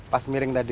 pas miring tadi